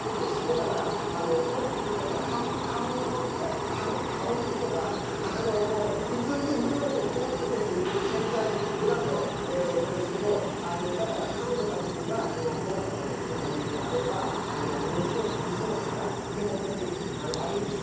だから、トリュフとか鴨肉とか普通にニューヨークの高級店で売ってる食材ブランドなんですけどだから、彼女たちには農家とのつながりもあればものすごいリソースが手元にあるんです。